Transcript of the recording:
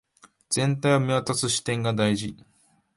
全体を見渡す視点が大事